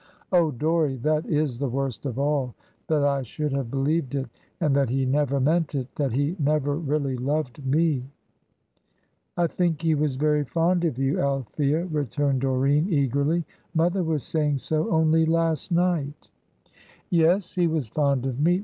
"Oh, Dorrie, that is the worst of all, that I should have believed it, and that he never meant it; that he never really loved me." "I think he was very fond of you, Althea," returned Doreen, eagerly. "Mother was saying so only last night." "Yes, he was fond of me.